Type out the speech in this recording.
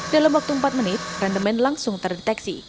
dalam waktu empat menit rendemen langsung terdeteksi